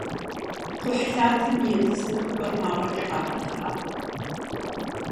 Кхъухьлъатэм и етӏысэхыпӏэр мафӏэкӏэ къагъэлъагъуэ.